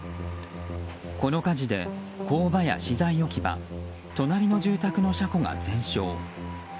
この火事で工場や資材置き場隣の住宅の車庫が全焼。